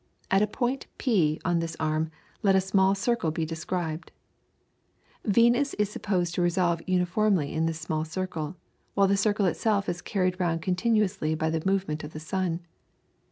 At a point P on this arm let a small circle be described. Venus is supposed to revolve uniformly in this small circle, while the circle itself is carried round continuously by the movement of the sun.